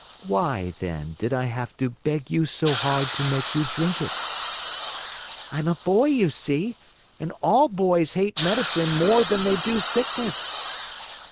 "Why, then, did I have to beg you so hard to make you drink it?" "I'm a boy, you see, and all boys hate medicine more than they do sickness."